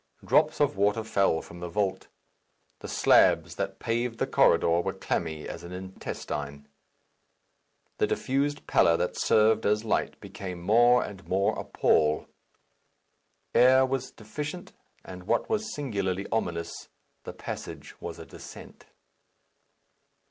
Drops of water fell from the vault. The slabs that paved the corridor were clammy as an intestine. The diffused pallor that served as light became more and more a pall. Air was deficient, and, what was singularly ominous, the passage was a descent.